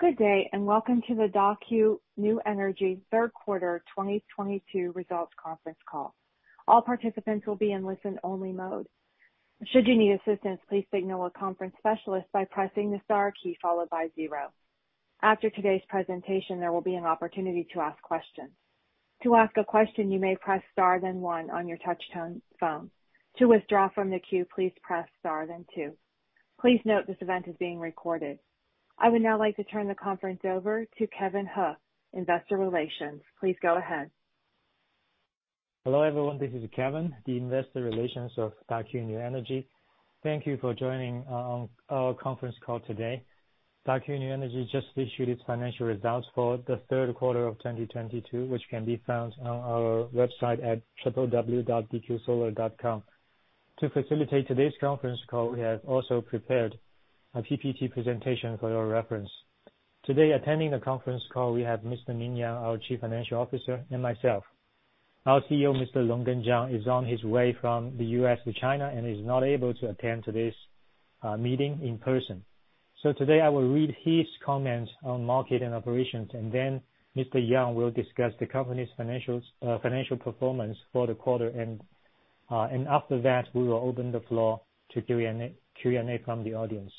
Good day, and welcome to the Daqo New Energy third quarter 2022 results conference call. All participants will be in listen-only mode. Should you need assistance, please signal a conference specialist by pressing the star key followed by zero. After today's presentation, there will be an opportunity to ask questions. To ask a question, you may press star then 1 on your touch tone phone. To withdraw from the queue, please press star then 2. Please note this event is being recorded. I would now like to turn the conference over to Kevin He, Investor Relations. Please go ahead. Hello, everyone. This is Kevin, the Investor Relations of Daqo New Energy. Thank you for joining our conference call today. Daqo New Energy just issued its financial results for the third quarter of 2022, which can be found on our website at www.dqsolar.com. To facilitate today's conference call, we have also prepared a PPT presentation for your reference. Today, attending the conference call we have Mr. Ming Yang, our Chief Financial Officer, and myself. Our CEO, Mr. Longgen Zhang, is on his way from the U.S. to China and is not able to attend today's meeting in person. Today I will read his comments on market and operations, and then Mr. Yang will discuss the company's financials, financial performance for the quarter. After that, we will open the floor to Q&A from the audience.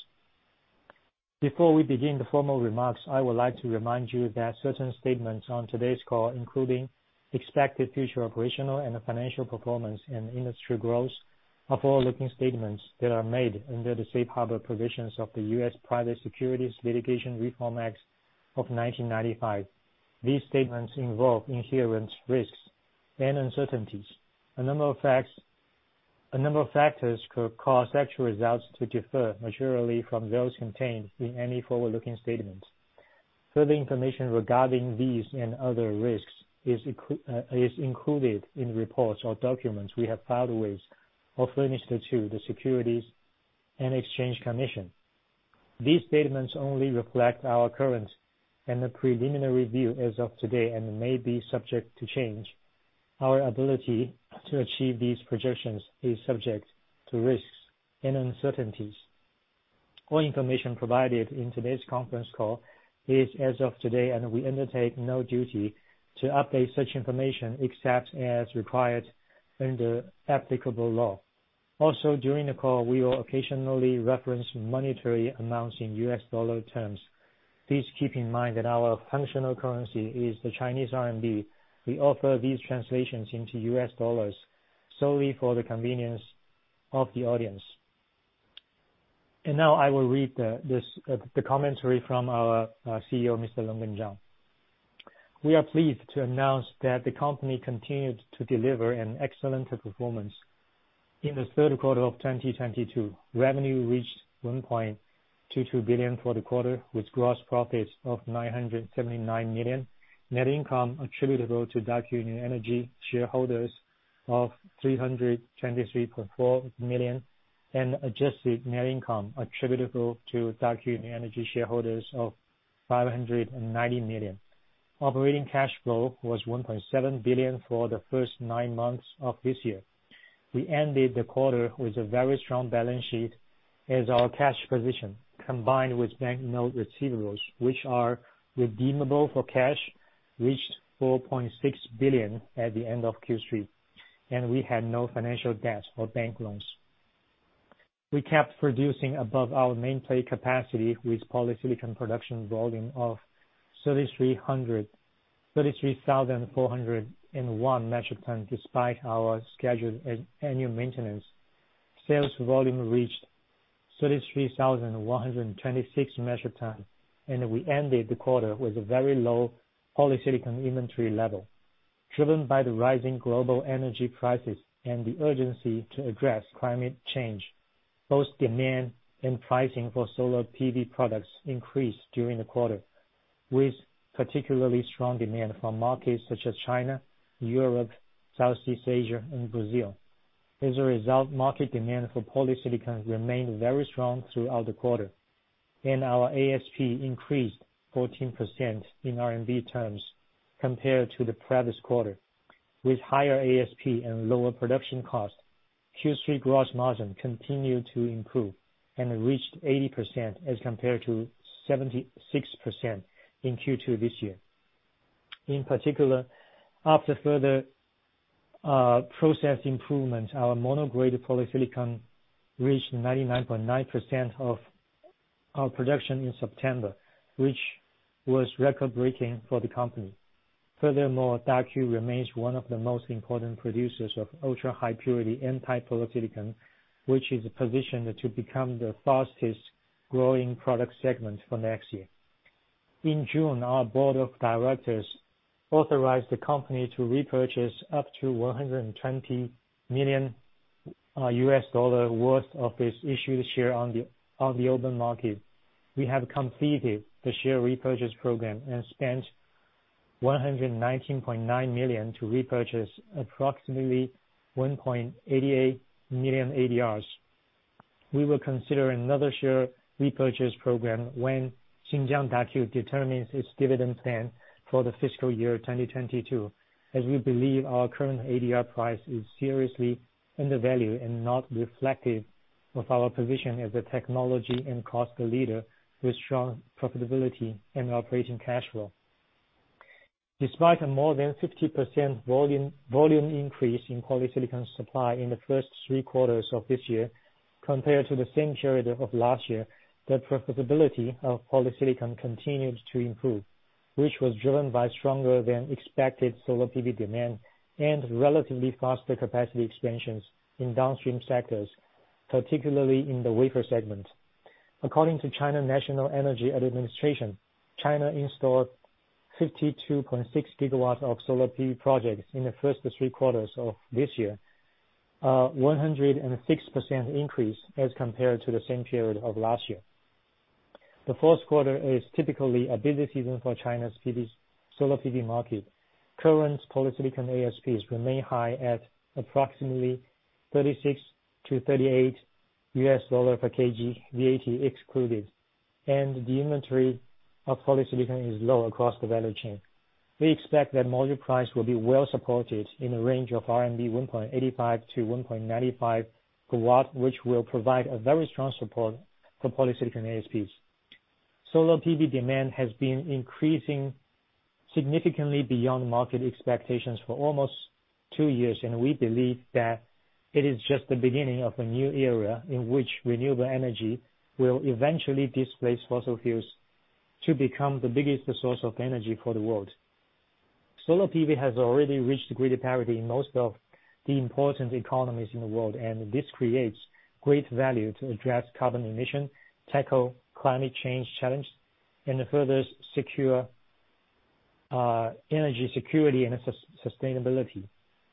Before we begin the formal remarks, I would like to remind you that certain statements on today's call, including expected future operational and financial performance and industry growth, are forward-looking statements that are made under the Safe Harbor provisions of the U.S. Private Securities Litigation Reform Act of 1995. These statements involve inherent risks and uncertainties. A number of factors could cause actual results to differ materially from those contained in any forward-looking statements. Further information regarding these and other risks is included in reports or documents we have filed with or furnished to the Securities and Exchange Commission. These statements only reflect our current and the preliminary view as of today and may be subject to change. Our ability to achieve these projections is subject to risks and uncertainties. All information provided in today's conference call is as of today, and we undertake no duty to update such information except as required under applicable law. Also, during the call, we will occasionally reference monetary amounts in US dollar terms. Please keep in mind that our functional currency is the Chinese RMB. We offer these translations into US dollars solely for the convenience of the audience. Now I will read the commentary from our CEO, Mr. Longgen Zhang. We are pleased to announce that the company continued to deliver an excellent performance in the third quarter of 2022. Revenue reached 1.22 billion for the quarter, with gross profits of 979 million. Net income attributable to Daqo New Energy shareholders of 323.4 million, and adjusted net income attributable to Daqo New Energy shareholders of 590 million. Operating cash flow was 1.7 billion for the first nine months of this year. We ended the quarter with a very strong balance sheet as our cash position, combined with banknote receivables, which are redeemable for cash, reached 4.6 billion at the end of Q3, and we had no financial debt or bank loans. We kept producing above our nameplate capacity with polysilicon production volume of 33,401 metric tons despite our scheduled annual maintenance. Sales volume reached 33,126 metric tons, and we ended the quarter with a very low polysilicon inventory level. Driven by the rising global energy prices and the urgency to address climate change, both demand and pricing for solar PV products increased during the quarter, with particularly strong demand from markets such as China, Europe, Southeast Asia and Brazil. As a result, market demand for polysilicon remained very strong throughout the quarter, and our ASP increased 14% in RMB terms compared to the previous quarter. With higher ASP and lower production costs, Q3 gross margin continued to improve and reached 80% as compared to 76% in Q2 this year. In particular, after further process improvements, our mono-grade polysilicon reached 99.9% of our production in September, which was record-breaking for the company. Furthermore, Daqo remains one of the most important producers of ultra-high purity N-type polysilicon, which is positioned to become the fastest growing product segment for next year. In June, our board of directors authorized the company to repurchase up to $120 million worth of its issued share on the open market. We have completed the share repurchase program and spent $119.9 million to repurchase approximately 1.88 million ADRs. We will consider another share repurchase program when Xinjiang Daqo determines its dividend plan for the fiscal year 2022, as we believe our current ADR price is seriously undervalued and not reflective of our position as a technology and cost leader with strong profitability and operating cash flow. Despite a more than 50% volume increase in polysilicon supply in the first three quarters of this year compared to the same period of last year, the profitability of polysilicon continued to improve, which was driven by stronger than expected solar PV demand and relatively faster capacity expansions in downstream sectors, particularly in the wafer segment. According to National Energy Administration, China installed 52.6 gigawatts of solar PV projects in the first three quarters of this year, 106% increase as compared to the same period of last year. The fourth quarter is typically a busy season for China's solar PV market. Current polysilicon ASPs remain high at approximately $36-$38 per kg, VAT excluded, and the inventory of polysilicon is low across the value chain. We expect that module price will be well supported in the range of 1.85-1.95 RMB per watt, which will provide a very strong support for polysilicon ASPs. Solar PV demand has been increasing significantly beyond market expectations for almost two years, and we believe that it is just the beginning of a new era in which renewable energy will eventually displace fossil fuels to become the biggest source of energy for the world. Solar PV has already reached grid parity in most of the important economies in the world, and this creates great value to address carbon emission, tackle climate change challenge, and further secure energy security and sustainability.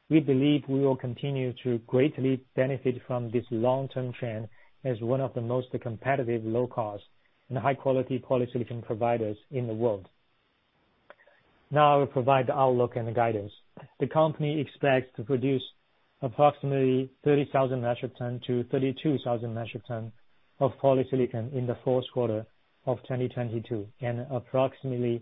We believe we will continue to greatly benefit from this long-term trend as one of the most competitive low cost and high-quality polysilicon providers in the world. Now I will provide the outlook and the guidance. The company expects to produce approximately 30,000-32,000 metric tons of polysilicon in the fourth quarter of 2022, and approximately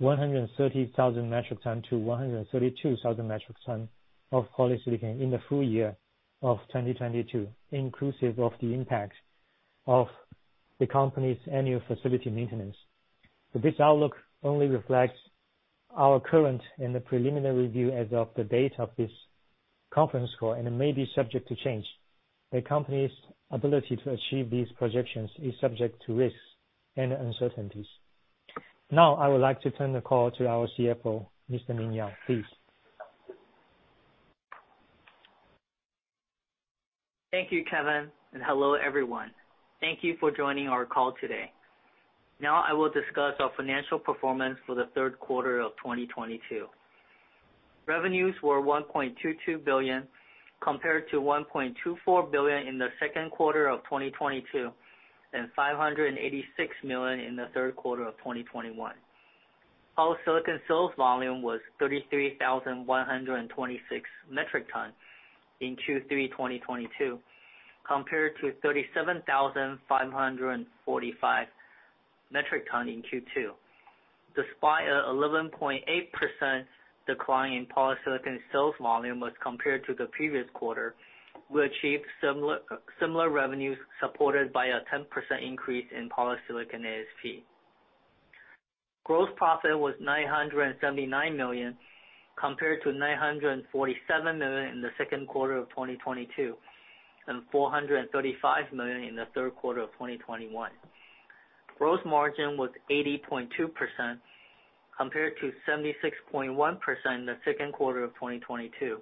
130,000-132,000 metric tons of polysilicon in the full year of 2022, inclusive of the impact of the company's annual facility maintenance. This outlook only reflects our current and the preliminary view as of the date of this conference call and it may be subject to change. The company's ability to achieve these projections is subject to risks and uncertainties. Now I would like to turn the call to our CFO, Mr. Ming Yang. Please. Thank you, Kevin, and hello everyone. Thank you for joining our call today. Now I will discuss our financial performance for the third quarter of 2022. Revenues were CNY 1.22 billion, compared to CNY 1.24 billion in the second quarter of 2022, and CNY 586 million in the third quarter of 2021. Our silicon sales volume was 33,116 metric tons in Q3 2022, compared to 37,545 metric tons in Q2. Despite an 11.8% decline in polysilicon sales volume as compared to the previous quarter, we achieved similar revenues supported by a 10% increase in polysilicon ASP. Gross profit was $979 million, compared to $947 million in the second quarter of 2022, and $435 million in the third quarter of 2021. Gross margin was 80.2% compared to 76.1% in the second quarter of 2022,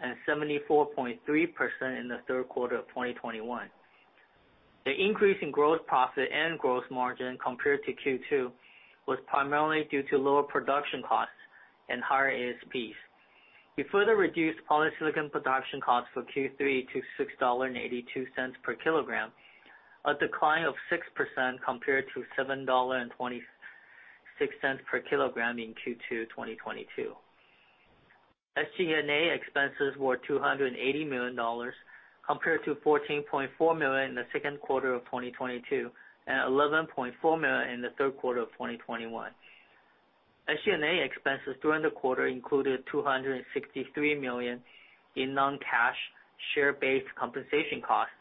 and 74.3% in the third quarter of 2021. The increase in gross profit and gross margin compared to Q2 was primarily due to lower production costs and higher ASPs. We further reduced polysilicon production costs for Q3 to $6.82 per kilogram, a decline of 6% compared to $7.26 per kilogram in Q2 2022. SG&A expenses were $280 million, compared to $14.4 million in the second quarter of 2022, and $11.4 million in the third quarter of 2021. SG&A expenses during the quarter included $263 million in non-cash share-based compensation costs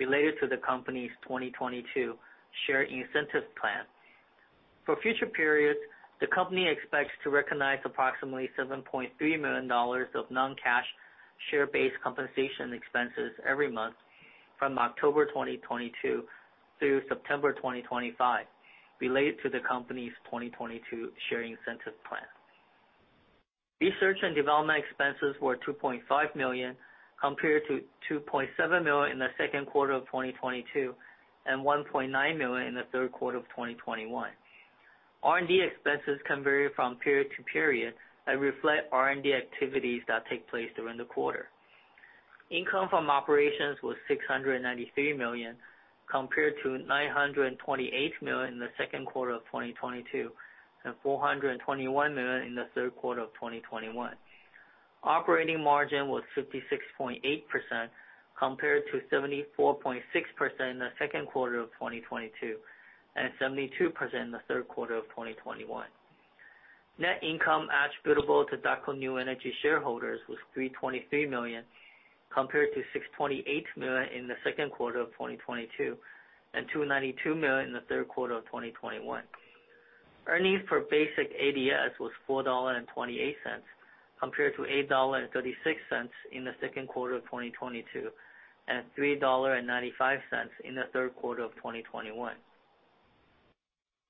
related to the company's 2022 Share Incentive Plan. For future periods, the company expects to recognize approximately $7.3 million of non-cash share-based compensation expenses every month from October 2022 through September 2025 related to the company's 2022 Share Incentive Plan. Research and development expenses were $2.5 million, compared to $2.7 million in the second quarter of 2022, and $1.9 million in the third quarter of 2021. R&D expenses can vary from period to period and reflect R&D activities that take place during the quarter. Income from operations was 693 million, compared to 928 million in the second quarter of 2022, and 421 million in the third quarter of 2021. Operating margin was 56.8%, compared to 74.6% in the second quarter of 2022, and 72% in the third quarter of 2021. Net income attributable to Daqo New Energy shareholders was CNY 323 million, compared to CNY 628 million in the second quarter of 2022 and CNY 292 million in the third quarter of 2021. Earnings per basic ADS was $4.28, compared to $8.36 in the second quarter of 2022, and $3.95 in the third quarter of 2021.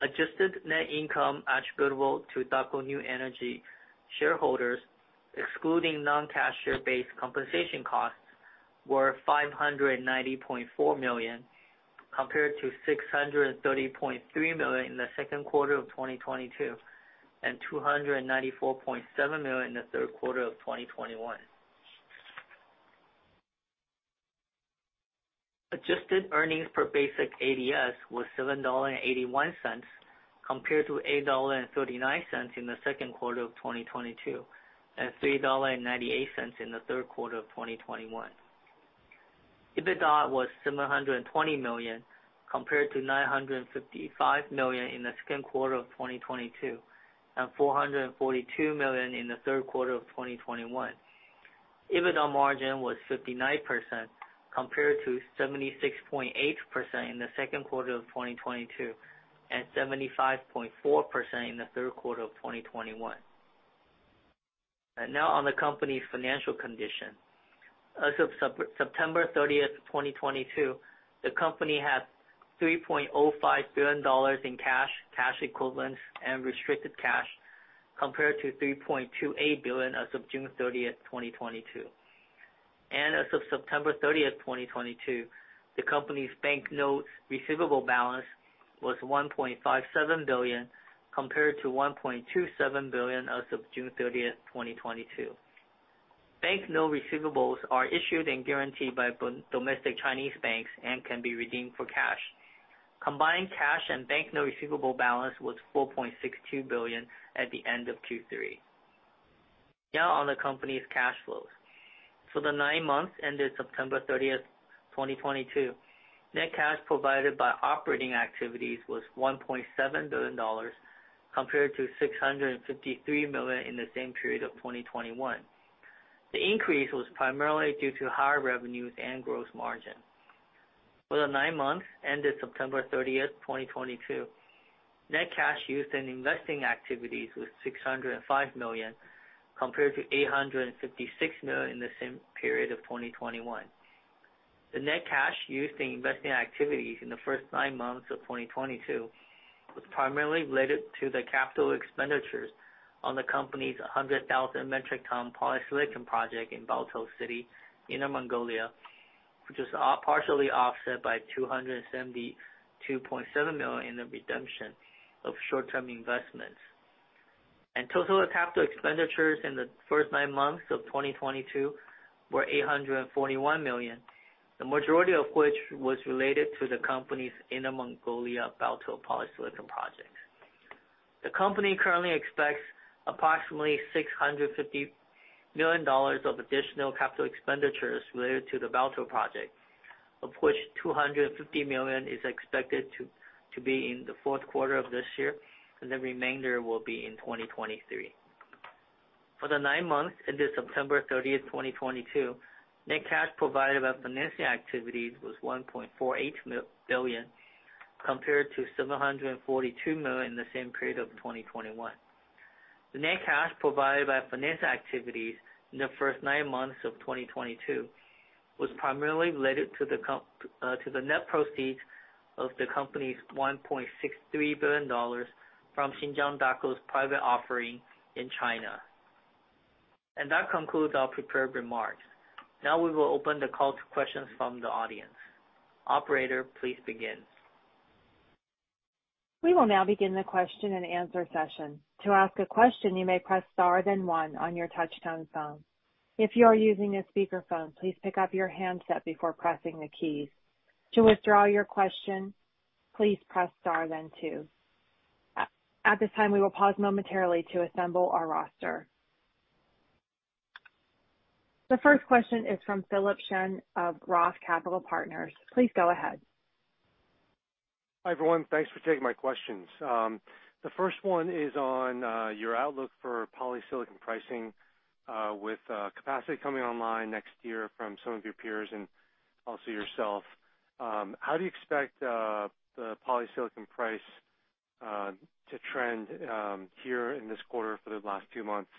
Adjusted net income attributable to Daqo New Energy shareholders, excluding non-cash share-based compensation costs, were $590.4 million, compared to $630.3 million in the second quarter of 2022, and $294.7 million in the third quarter of 2021. Adjusted earnings per basic ADS was $7.81, compared to $8.39 in the second quarter of 2022, and $3.98 in the third quarter of 2021. EBITDA was $720 million, compared to $955 million in the second quarter of 2022, and $442 million in the third quarter of 2021. EBITDA margin was 59% compared to 76.8% in the second quarter of 2022, and 75.4% in the third quarter of 2021. Now on the company's financial condition. As of September 30, 2022, the company had $3.05 billion in cash equivalents and restricted cash, compared to $3.28 billion as of June 30, 2022. As of September 30, 2022, the company's bank note receivable balance was $1.57 billion, compared to $1.27 billion as of June 30, 2022. Bank note receivables are issued and guaranteed by domestic Chinese banks and can be redeemed for cash. Combined cash and bank note receivable balance was $4.62 billion at the end of Q3. Now on the company's cash flows. For the nine months ended September 30, 2022, net cash provided by operating activities was $1.7 billion, compared to $653 million in the same period of 2021. The increase was primarily due to higher revenues and gross margin. For the nine months ended September 30, 2022, net cash used in investing activities was $605 million, compared to $856 million in the same period of 2021. The net cash used in investing activities in the first nine months of 2022 was primarily related to the capital expenditures on the company's 100,000 metric ton polysilicon project in Baotou City, Inner Mongolia, which was partially offset by $272.7 million in the redemption of short-term investments. Total capital expenditures in the first nine months of 2022 were $841 million, the majority of which was related to the company's Inner Mongolia Baotou polysilicon project. The company currently expects approximately $650 million of additional capital expenditures related to the Baotou project, of which $250 million is expected to be in the fourth quarter of this year, and the remainder will be in 2023. For the nine months ended September 30, 2022, net cash provided by financing activities was $1.48 billion, compared to $742 million in the same period of 2021. The net cash provided by financing activities in the first nine months of 2022 was primarily related to the net proceeds of the company's $1.63 billion from Xinjiang Daqo's private offering in China. That concludes our prepared remarks. Now we will open the call to questions from the audience. Operator, please begin. We will now begin the question-and-answer session. To ask a question, you may press star then 1 on your touch-tone phone. If you are using a speakerphone, please pick up your handset before pressing the keys. To withdraw your question, please press star then 2. At this time, we will pause momentarily to assemble our roster. The first question is from Philip Shen of Roth Capital Partners. Please go ahead. Hi, everyone. Thanks for taking my questions. The first one is on your outlook for polysilicon pricing, with capacity coming online next year from some of your peers and also yourself. How do you expect the polysilicon price to trend here in this quarter for the last two months,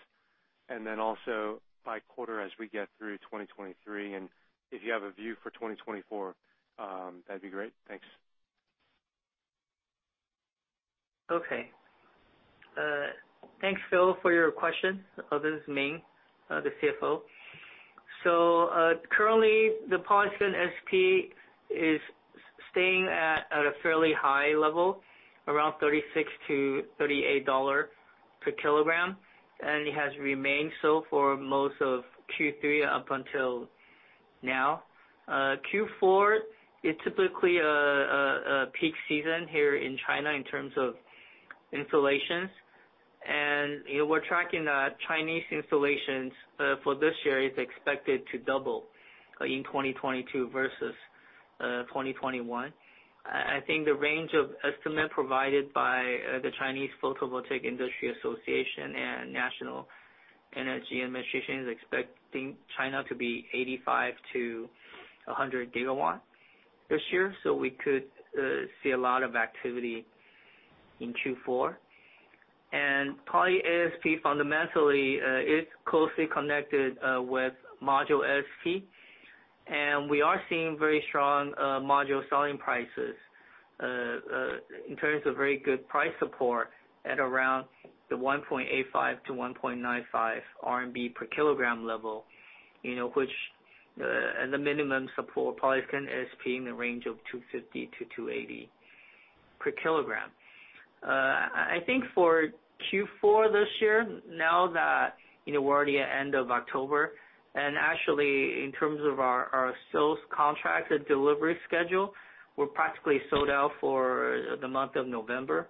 and then also by quarter as we get through 2023? If you have a view for 2024, that'd be great. Thanks. Thanks, Phil, for your question. This is Ming, the CFO. Currently, the polysilicon SP is staying at a fairly high level, around $36-$38 per kilogram, and it has remained so for most of Q3 up until now. Q4 is typically a peak season here in China in terms of installations, and, you know, we're tracking Chinese installations for this year, which is expected to double in 2022 versus 2021. I think the range of estimates provided by the Chinese Photovoltaic Industry Association and National Energy Administration is expecting China to be 85-100 gigawatts this year. We could see a lot of activity in Q4. Poly ASP fundamentally is closely connected with module ASP. We are seeing very strong module selling prices in terms of very good price support at around 1.85-1.95 RMB per kilogram level, you know, which and the minimum support polysilicon ASP in the range of 250-280 per kilogram. I think for Q4 this year, now that, you know, we're already at end of October, and actually in terms of our sales contracted delivery schedule, we're practically sold out for the month of November,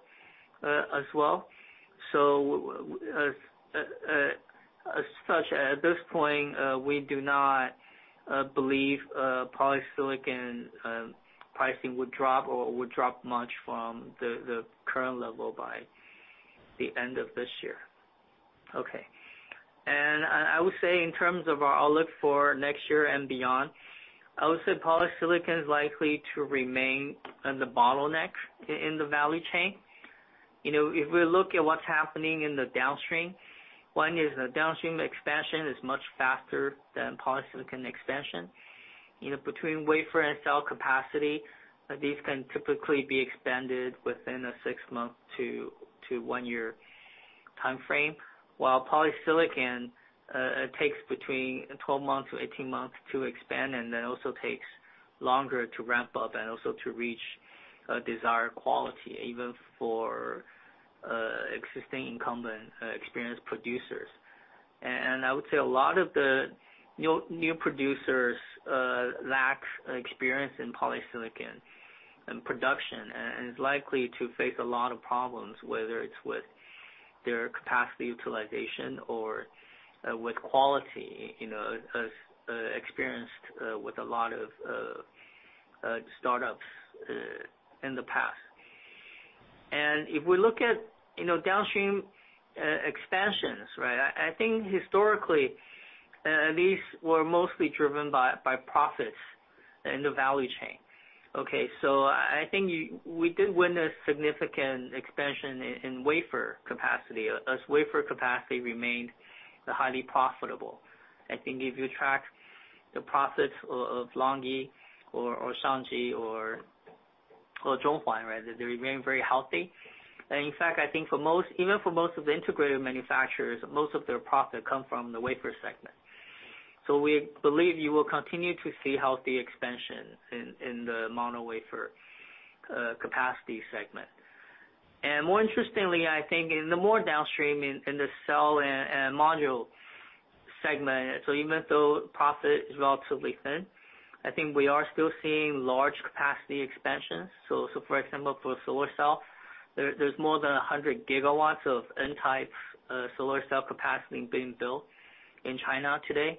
as well. As such, at this point, we do not believe polysilicon pricing would drop or drop much from the current level by the end of this year. I would say in terms of our outlook for next year and beyond, I would say polysilicon is likely to remain the bottleneck in the value chain. You know, if we look at what's happening in the downstream, one is the downstream expansion is much faster than polysilicon expansion. You know, between wafer and cell capacity, these can typically be expanded within a 6-month-1-year timeframe. While polysilicon takes between 12-18 months to expand, and then also takes longer to ramp up and also to reach a desired quality, even for existing incumbent experienced producers. I would say a lot of the new producers lack experience in polysilicon and production, and is likely to face a lot of problems, whether it's with their capacity utilization or with quality, you know, as experienced with a lot of startups in the past. If we look at, you know, downstream expansions, right? I think historically, these were mostly driven by profits in the value chain. Okay, I think we did win a significant expansion in wafer capacity, as wafer capacity remained highly profitable. I think if you track the profits of LONGi or Shangji or Zhonghuan, right, they remain very healthy. In fact, I think for most, even for most of the integrated manufacturers, most of their profit come from the wafer segment. We believe you will continue to see healthy expansion in the mono wafer capacity segment. More interestingly, I think in the more downstream in the cell and module segment, even though profit is relatively thin, I think we are still seeing large capacity expansions. For example, for solar cell, there's more than 100 gigawatts of N-type solar cell capacity being built in China today.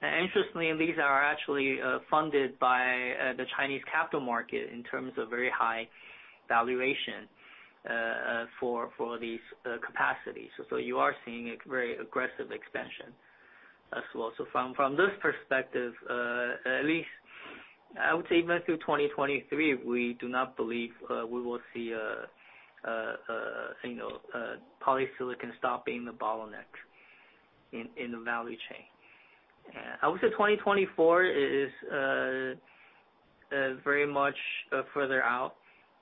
Interestingly, these are actually funded by the Chinese capital market in terms of very high valuation for these capacities. You are seeing a very aggressive expansion as well. From this perspective, at least I would say even through 2023, we do not believe we will see, you know, polysilicon stop being the bottleneck in the value chain. I would say 2024 is very much further out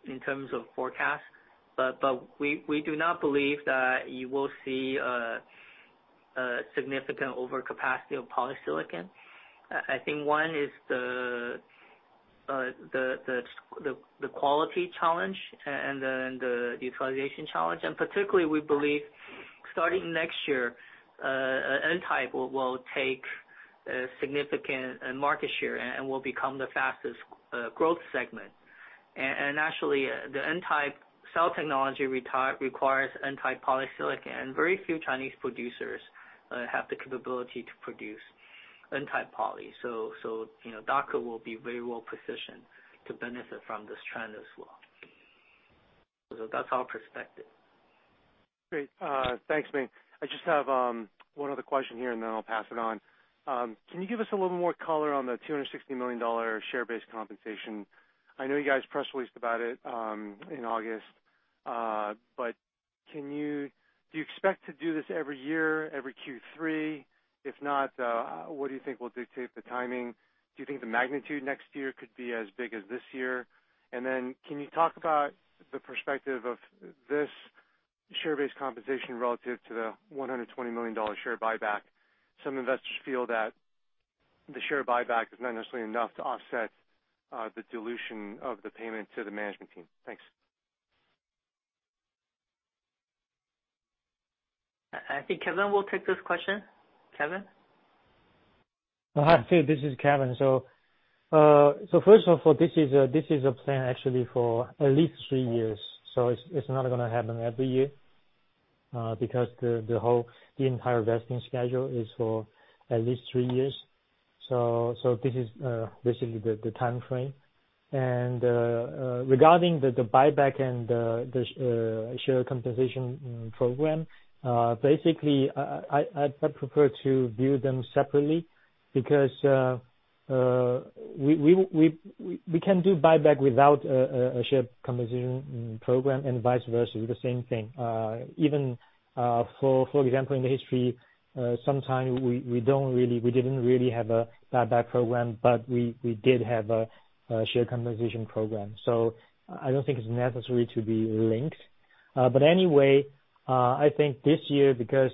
in terms of forecast. We do not believe that you will see a significant overcapacity of polysilicon. I think one is the quality challenge and the utilization challenge. Particularly, we believe starting next year, N-type will take significant market share and will become the fastest growth segment. Actually, the N-type cell technology requires N-type polysilicon, and very few Chinese producers have the capability to produce N-type poly. You know, Daqo will be very well positioned to benefit from this trend as well. That's our perspective. Great. Thanks, Ming. I just have one other question here, and then I'll pass it on. Can you give us a little more color on the $260 million share-based compensation? I know you guys press released about it in August. But do you expect to do this every year, every Q3? If not, what do you think will dictate the timing? Do you think the magnitude next year could be as big as this year? And then can you talk about the perspective of this share-based compensation relative to the $120 million share buyback? Some investors feel that the share buyback is not necessarily enough to offset the dilution of the payment to the management team. Thanks. I think Kevin will take this question. Kevin? Hi, Philip. This is Kevin. First of all, this is a plan actually for at least three years, so it's not gonna happen every year. Because the whole entire vesting schedule is for at least three years. This is basically the timeframe. Regarding the buyback and the share compensation program, basically I'd prefer to view them separately because we can do buyback without a share compensation program and vice versa, the same thing. Even, for example, in the history, sometime we didn't really have a buyback program, but we did have a share compensation program. I don't think it's necessary to be linked. But anyway, I think this year because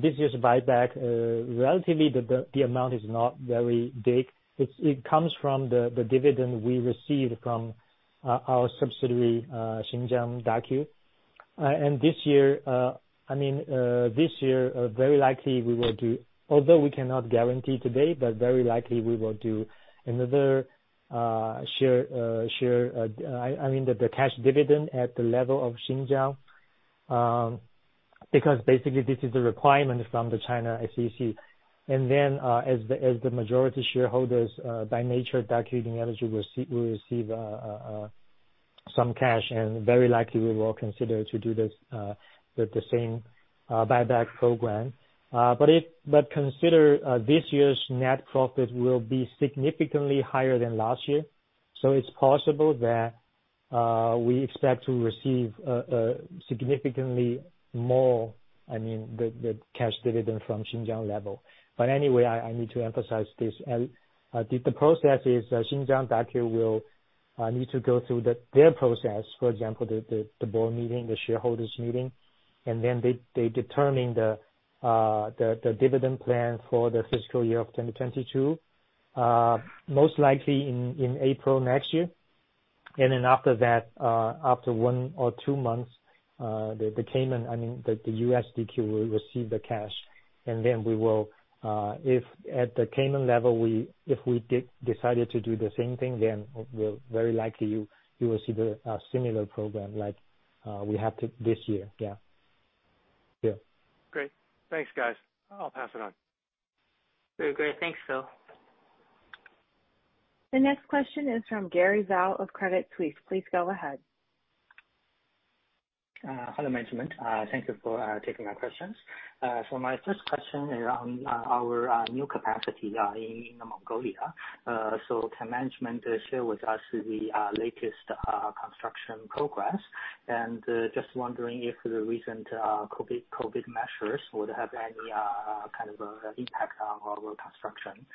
this year's buyback, relatively the amount is not very big. It comes from the dividend we received from our subsidiary, Xinjiang Daqo. I mean, this year, very likely we will do. Although we cannot guarantee today, but very likely we will do another share, I mean the cash dividend at the level of Xinjiang. Because basically this is the requirement from the China SEC. Then, as the majority shareholders, by nature, Daqo New Energy will receive some cash, and very likely we will consider to do this with the same buyback program. But consider this year's net profit will be significantly higher than last year. It's possible that we expect to receive significantly more, I mean, the cash dividend from Xinjiang level. Anyway, I need to emphasize this. The process is, Xinjiang Daqo will need to go through their process, for example, the board meeting, the shareholders meeting, and then they determine the dividend plan for the fiscal year of 2022. Most likely in April next year. Then after that, after one or two months, the Cayman, I mean, the Daqo will receive the cash. Then we will, if at the Cayman level, we if we decide to do the same thing, then we'll very likely you will see the similar program like we have this year. Yeah. Yeah. Great. Thanks, guys. I'll pass it on. Very great. Thanks, Phil. The next question is from Gary Zhao of Credit Suisse. Please go ahead. Hello, management. Thank you for taking my questions. My first question is on our new capacity in Inner Mongolia. Can management share with us the latest construction progress? Just wondering if the recent COVID measures would have any kind of a impact on our construction.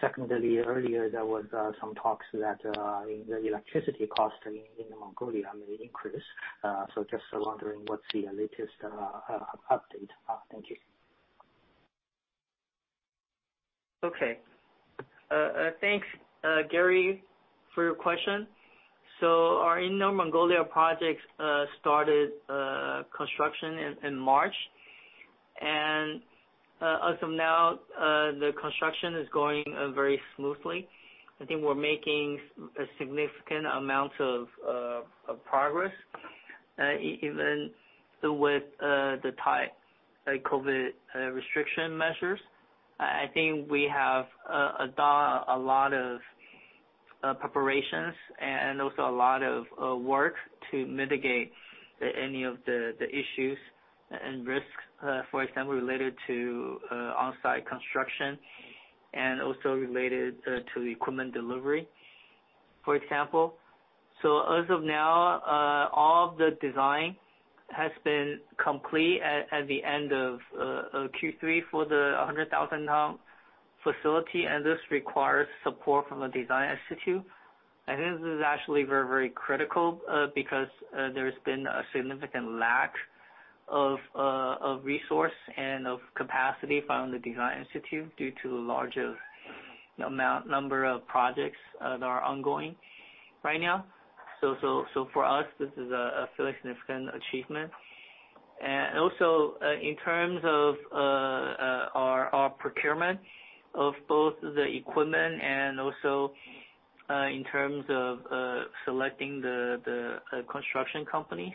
Secondly, earlier there was some talks that in the electricity cost in Inner Mongolia may increase. Just wondering what's the latest update. Thank you. Okay. Thanks, Gary, for your question. Our Inner Mongolia projects started construction in March. As of now, the construction is going very smoothly. I think we're making a significant amount of progress, even with the tight, like, COVID restriction measures. I think we have a lot of preparations and also a lot of work to mitigate any of the issues and risks, for example, related to on-site construction and also related to equipment delivery, for example. As of now, all of the design has been complete at the end of Q3 for the 100,000-ton facility, and this requires support from the Design Institute. This is actually very, very critical, because there's been a significant lack of resource and of capacity from the Design Institute due to the larger amount, number of projects that are ongoing right now. This is a fairly significant achievement. Also, in terms of our procurement of both the equipment and also in terms of selecting the construction companies.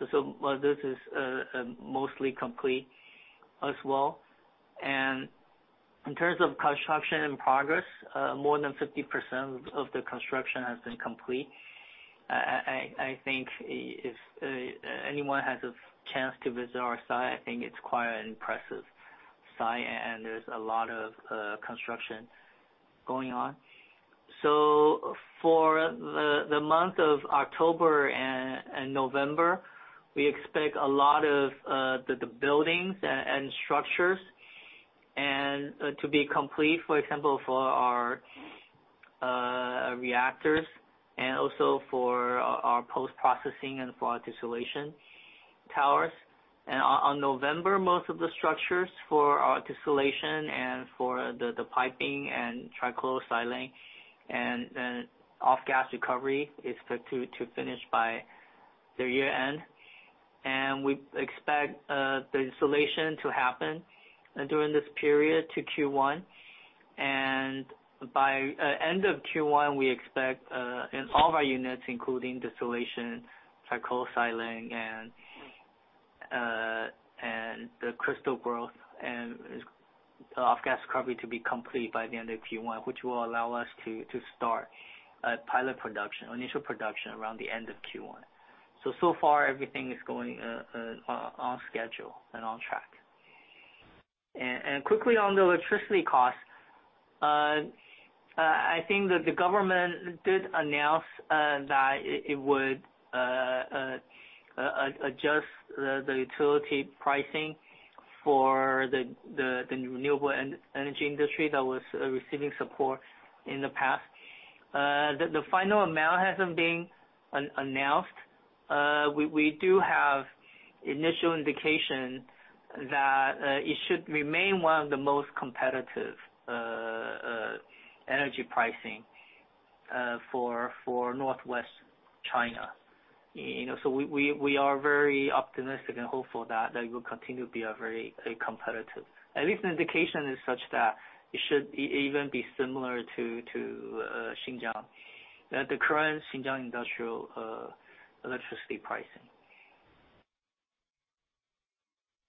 This is mostly complete as well. In terms of construction and progress, more than 50% of the construction has been complete. I think if anyone has a chance to visit our site, I think it's quite an impressive site, and there's a lot of construction going on. For the month of October and November, we expect a lot of the buildings and structures to be complete, for example, for our reactors and also for our post-processing and for our distillation towers. On November, most of the structures for our distillation and for the piping and trichlorosilane and off-gas recovery is set to finish by the year-end. We expect the installation to happen during this period to Q1. By end of Q1, we expect in all of our units, including distillation, chlorosilane, and the crystal growth and off-gas recovery to be complete by the end of Q1, which will allow us to start a pilot production or initial production around the end of Q1. So far, everything is going on schedule and on track. Quickly on the electricity cost, I think that the government did announce that it would adjust the utility pricing for the renewable energy industry that was receiving support in the past. The final amount hasn't been announced. We do have initial indication that it should remain one of the most competitive energy pricing for Northwest China. You know, we are very optimistic and hopeful that they will continue to be a very competitive. At least indication is such that it should even be similar to Xinjiang. The current Xinjiang industrial electricity pricing.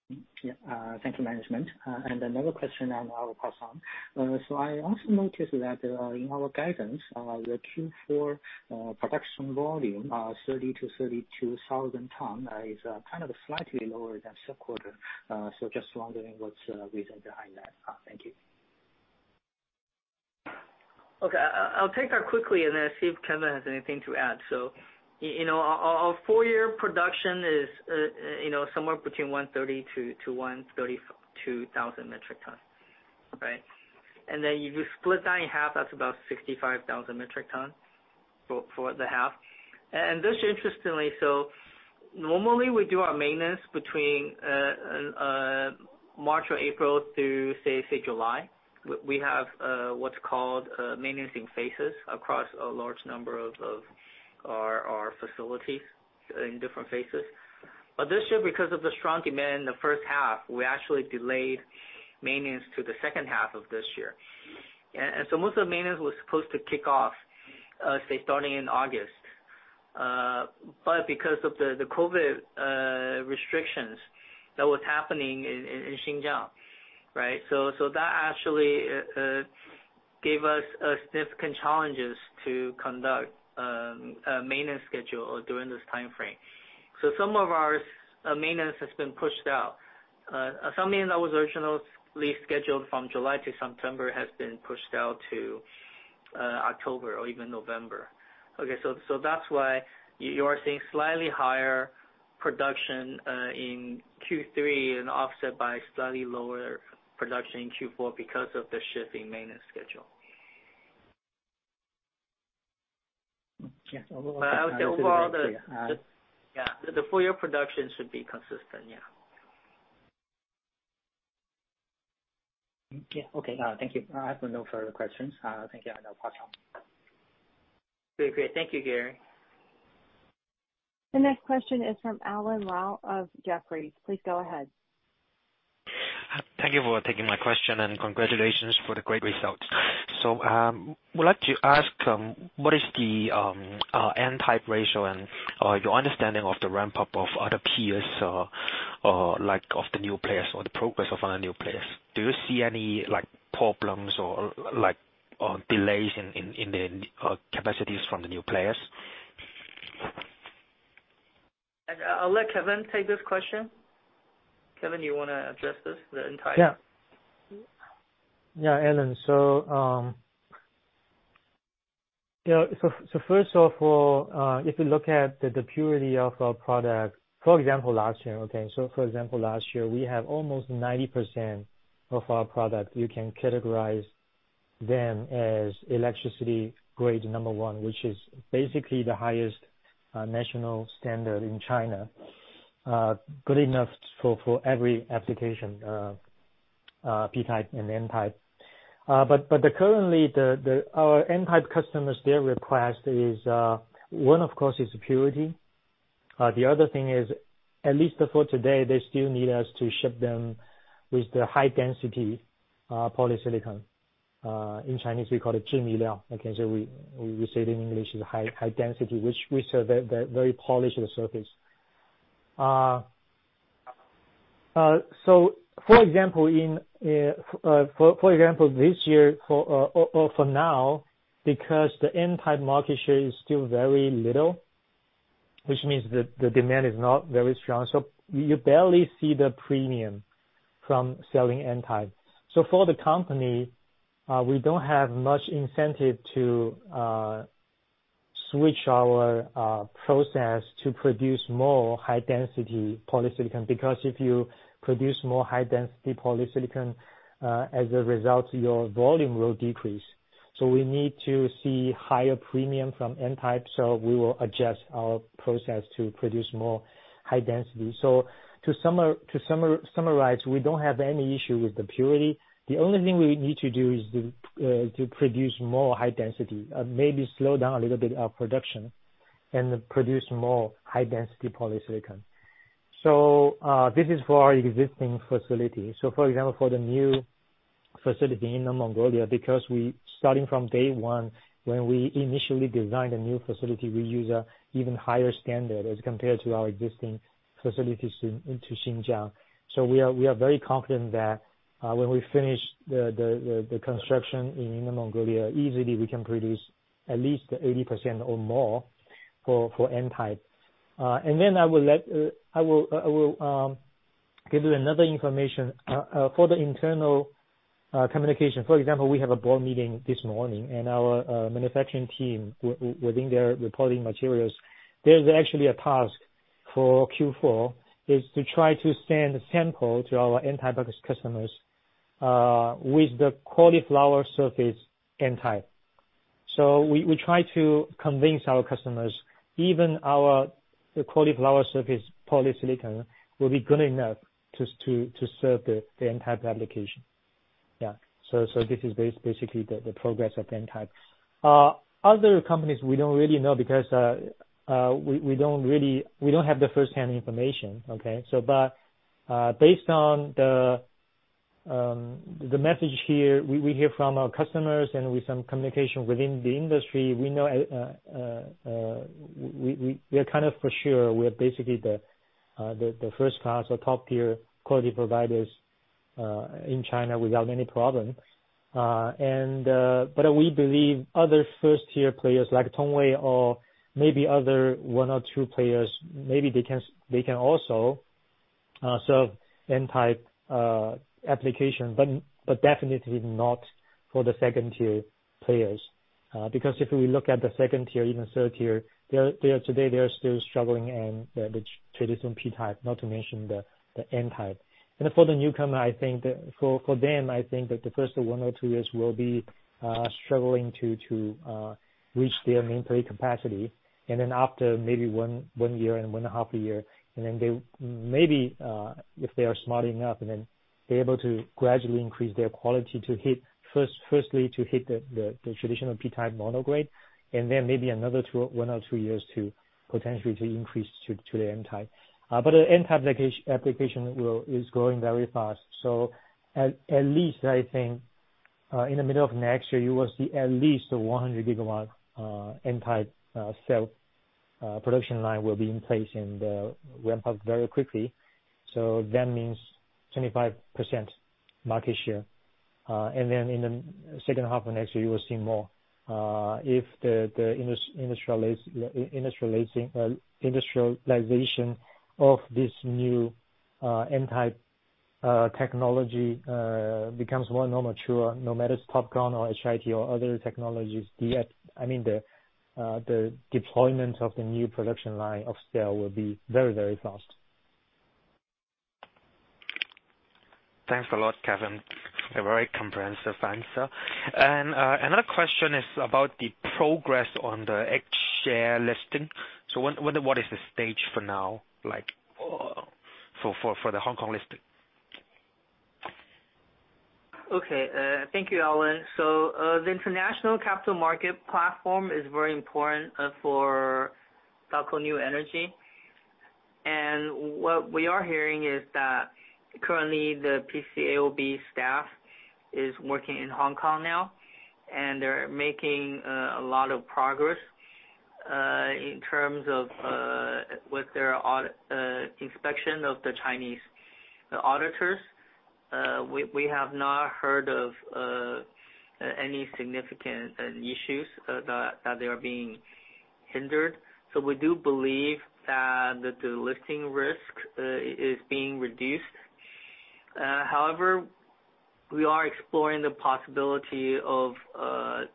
Thank you, management. Another question on our part. I also noticed that in our guidance the Q4 production volume 30,000-32,000 tons is kind of slightly lower than third quarter. Just wondering what's the reason behind that. Thank you. Okay. I'll take that quickly and then see if Kevin has anything to add. Full year production is somewhere between 130-132,000 metric tons, right? Then you split that in half, that's about 65,000 metric tons for the half. This interestingly, normally we do our maintenance between March or April to July. We have what's called maintenance in phases across a large number of our facilities in different phases. But this year, because of the strong demand in the first half, we actually delayed maintenance to the second half of this year. Most of the maintenance was supposed to kick off starting in August. Because of the COVID restrictions that was happening in Xinjiang, right? That actually gave us significant challenges to conduct maintenance schedule during this timeframe. Some of our maintenance has been pushed out. Some maintenance that was originally scheduled from July to September has been pushed out to October or even November. Okay. That's why you are seeing slightly higher production in Q3 and offset by slightly lower production in Q4 because of the shift in maintenance schedule. Yeah. I would say overall. Yeah. Yeah. The full year production should be consistent. Yeah. Yeah. Okay. Thank you. I have no further questions. Thank you. Very great. Thank you, Gary. The next question is from Alan Lau of Jefferies. Please go ahead. Thank you for taking my question, and congratulations for the great results. Would like to ask what is the N-type ratio and your understanding of the ramp-up of other peers or like of the new players or the progress of other new players. Do you see any like delays in the capacities from the new players? I'll let Kevin take this question. Kevin, you wanna address this, the N-type? Yeah. Yeah, Alan. First of all, if you look at the purity of our product, for example, last year we have almost 90% of our product you can categorize them as electronic grade number one, which is basically the highest national standard in China. Good enough for every application, P-type and N-type. But currently our N-type customers, their request is, one, of course, is purity. The other thing is, at least for today, they still need us to ship them with the high density polysilicon. In Chinese, we call it. We say it in English is high density, which are the very polished surface. For example, this year or for now, because the N-type market share is still very little, which means the demand is not very strong. You barely see the premium from selling N-type. For the company, we don't have much incentive to switch our process to produce more high density polysilicon because if you produce more high density polysilicon, as a result, your volume will decrease. We need to see higher premium from N-type, so we will adjust our process to produce more high density. To summarize, we don't have any issue with the purity. The only thing we need to do is to produce more high density, maybe slow down a little bit our production and produce more high density polysilicon. This is for our existing facility. For example, for the new facility in Inner Mongolia, because starting from day one, when we initially designed a new facility, we use an even higher standard as compared to our existing facilities into Xinjiang. We are very confident that when we finish the construction in Inner Mongolia, easily we can produce at least 80% or more for N-type. I will give you another information for the internal communication. For example, we have a board meeting this morning and our manufacturing team within their reporting materials. There's actually a task for Q4 to try to send sample to our N-type customers with the cauliflower surface N-type. We try to convince our customers even the cauliflower surface polysilicon will be good enough to serve the N-type application. Yeah. This is basically the progress of N-type. Other companies we don't really know because we don't really have the first hand information, okay? Based on the message here, we hear from our customers and with some communication within the industry, we know we are kind of for sure basically the first class or top-tier quality providers in China without any problem. We believe other first-tier players like Tongwei or maybe other one or two players maybe they can also serve N-type application, but definitely not for the second-tier players. Because if we look at the second-tier, even third-tier, they are today still struggling in the traditional P-type, not to mention the N-type. For the newcomer, I think that... For them, I think that the first one or two years will be struggling to reach their nameplate capacity. Then after maybe one year and one and a half years, they maybe if they are smart enough, they're able to gradually increase their quality to firstly hit the traditional P-type mono-grade, and then maybe another one or two years to potentially increase to the N-type. The N-type application is growing very fast. At least I think in the middle of next year, you will see at least 100 gigawatt N-type cell production line will be in place and ramp up very quickly. That means 25% market share. In the second half of next year, you will see more if the industrialization of this new N-type technology becomes more and more mature, no matter it's TOPCon or HIT or other technologies. I mean, the deployment of the new production line of cell will be very fast. Thanks a lot, Kevin. A very comprehensive answer. Another question is about the progress on the H-share listing. What is the stage for now, like, for the Hong Kong listing? Okay. Thank you, Alan. The international capital market platform is very important for Daqo New Energy. What we are hearing is that currently the PCAOB staff is working in Hong Kong now, and they're making a lot of progress in terms of with their inspection of the Chinese, the auditors. We have not heard of any significant issues that they are being hindered. We do believe that the delisting risk is being reduced. However, we are exploring the possibility of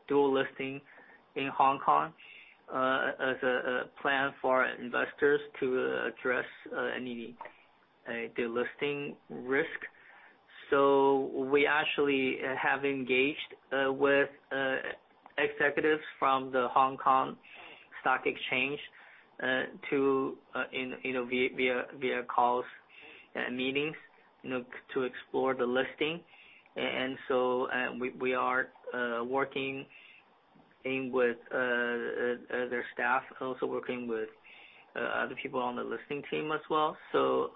dual listing in Hong Kong as a plan for investors to address any delisting risk. We actually have engaged with executives from the Stock Exchange of Hong Kong, you know, via calls and meetings, you know, to explore the listing. We are working with their staff, also working with other people on the listing team as well.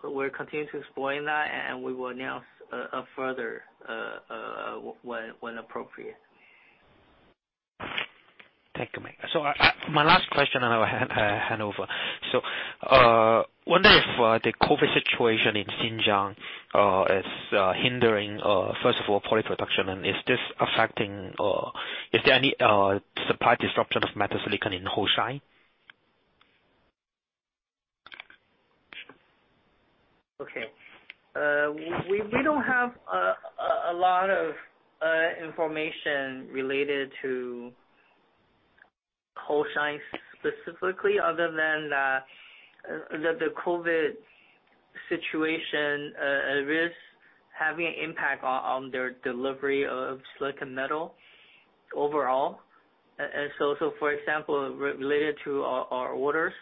We're continuing to explore that, and we will announce further when appropriate. Thank you, Mike. My last question and I'll hand over. Wondering if the COVID situation in Xinjiang is hindering, first of all, poly production and is this affecting or is there any supply disruption of silicon metal in Hohhot? Okay. We don't have a lot of information related to Hohhot specifically, other than that the COVID situation risk having an impact on their delivery of silicon metal overall. So for example, related to our orders,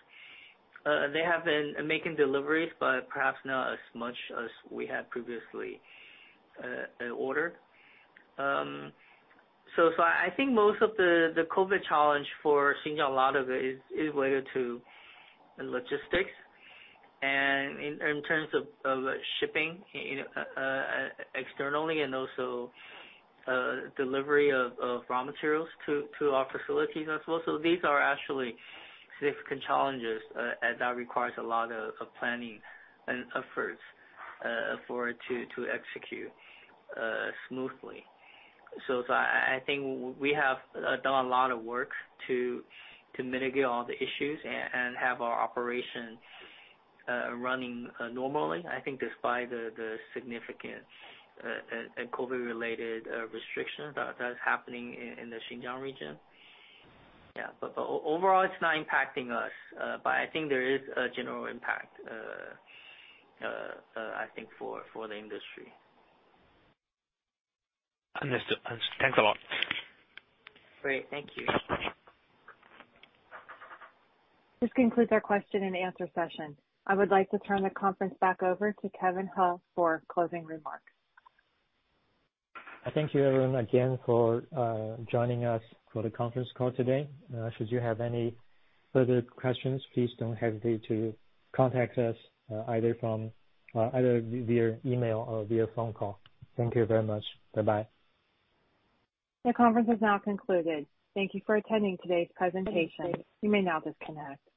they have been making deliveries, but perhaps not as much as we had previously ordered. So I think most of the COVID challenge for Xinjiang, a lot of it is related to logistics and in terms of shipping externally and also delivery of raw materials to our facilities as well. These are actually significant challenges, and that requires a lot of planning and efforts for it to execute smoothly. I think we have done a lot of work to mitigate all the issues and have our operation running normally. I think despite the significant COVID-related restrictions that's happening in the Xinjiang region. Overall, it's not impacting us. I think there is a general impact, I think for the industry. Understood. Thanks a lot. Great. Thank you. This concludes our question and answer session. I would like to turn the conference back over to Kevin He for closing remarks. Thank you everyone again for joining us for the conference call today. Should you have any further questions, please don't hesitate to contact us, either via email or via phone call. Thank you very much. Bye-bye. The conference has now concluded. Thank you for attending today's presentation. You may now disconnect.